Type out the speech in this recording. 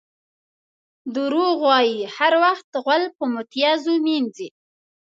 دروغ وایي؛ هر وخت غول په میتیازو مینځي.